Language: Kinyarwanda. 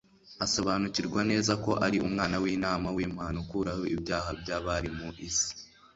asobanukirwa neza ko ari Umwana w'intama w'Imana ukuraho ibyaha by'abari mu isi.